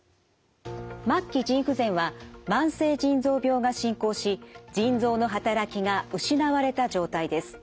末期腎不全は慢性腎臓病が進行し腎臓の働きが失われた状態です。